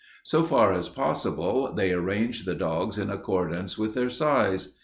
So far as possible, they arranged the dogs in accordance with their size.